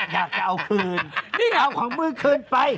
อยากจะเอาคืนเอาของฮืมมือคืนไป